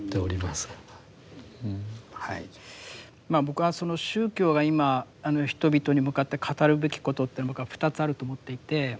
僕は宗教が今人々に向かって語るべきことって僕は２つあると思っていて。